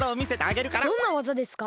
どんなわざですか？